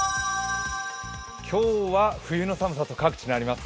今日は冬の寒さと各地なりますよ。